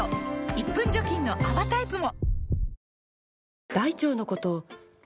１分除菌の泡タイプも！